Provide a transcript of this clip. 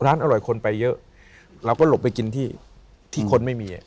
อร่อยคนไปเยอะเราก็หลบไปกินที่ที่คนไม่มี